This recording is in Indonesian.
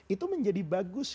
itu menjadi bagus